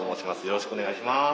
よろしくお願いします。